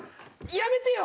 やめてよ。